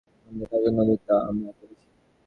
আমাদের কাজ হচ্ছে নদীর ওপরের ভাগে, তা আমরা করেছি।